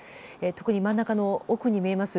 特に真ん中の奥に見えます